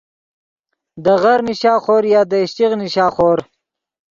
دے غر نیشا خور یا دے اِشچیغ نیشا خور